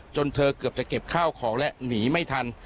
เธอเกือบจะเก็บข้าวของและหนีไม่ทัน